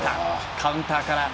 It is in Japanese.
カウンターから。